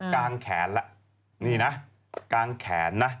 กางแขนละนี่นะกางแขนนะ